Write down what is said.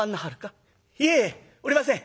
「いえおりません。